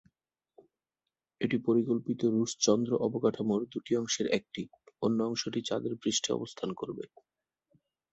এটি পরিকল্পিত রুশ চন্দ্র অবকাঠামোর দুটি অংশের একটি, অন্য অংশটি চাঁদের পৃষ্ঠে অবস্থান করবে।